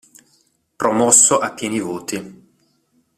Promosso a pieni voti".